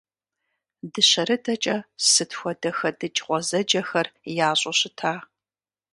Дыщэрыдэкӏэ сыт хуэдэ хэдыкӏ гъуэзэджэхэр ящӏу щыта!